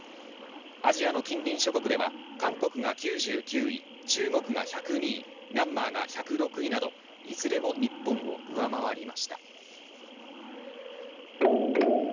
アジアの近隣諸国では韓国が９９位中国が１０２位ミャンマーが１０６位などいずれも日本を上回りました。